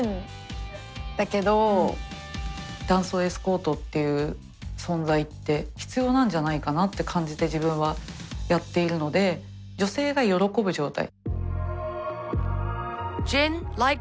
男装エスコートっていう存在って必要なんじゃないかなって感じて自分はやっているので女性が喜ぶ状態。